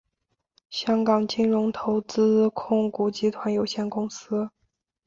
香港金融投资控股集团有限公司。